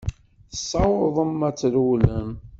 Tessawḍem ad trewlem.